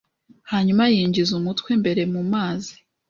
hanyuma yinjiza umutwe mbere mu mazi.